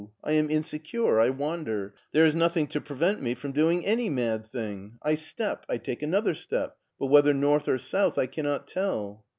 I am insecure. I wander. There is nothing to prevent me from doing any mad thing. I step. I take another step, but whether north or south I cannot tell."